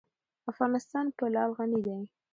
افغانستان په لعل غني دی.